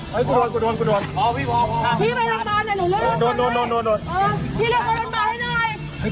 เลือกเขาลงต่อให้หน่อย